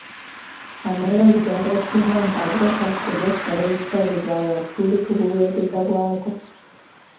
Amalwaliro agasinga mu kabuga kaffe gasaba ebisale bya waggulu ku buweereza bwago.